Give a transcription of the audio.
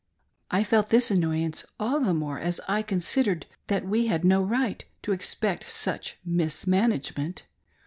I felt this annoyance all the more as I considered that we had no right to expect such mismanagement.